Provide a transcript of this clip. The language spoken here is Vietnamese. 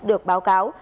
được báo cáo